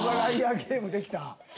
ゲームできた。